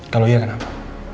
kalau iya kenapa